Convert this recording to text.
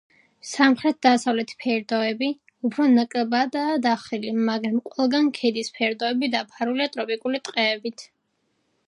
სამხრეთ-დასავლეთი ფერდოები უფრო ნაკლებადაა დახრილი, მაგრამ ყველგან ქედის ფერდოები დაფარულია ტროპიკული ტყეებით.